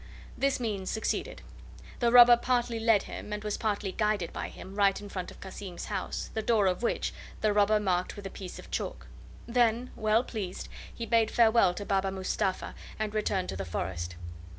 This means succeeded; the robber partly led him, and was partly guided by him, right in front of Cassim's house, the door of which the robber marked with a piece of chalk. Then, well pleased, he bade farewell to Baba Mustapha and returned to the forest.